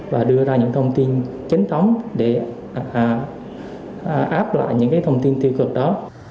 và đưa ra những thông tin chính tấm để áp lại những cái thông tin tiêu cực đó